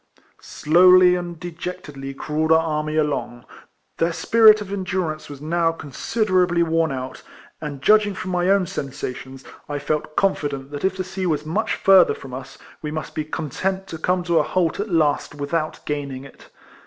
Slowly and dejectedly crawled our army along. Their spirit of endurance was now 228 KECOLLECTIONS OF considerably worn out, and judging from my own sensations, I felt confident that if the sea was much further from us, we must be content to come to a lialt at last witliout gaining it.